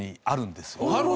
あるんですか。